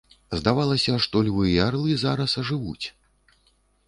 Здавалася, што львы і арлы зараз ажывуць.